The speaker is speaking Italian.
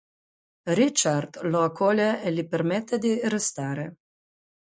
Richard lo accoglie e gli permette di restare.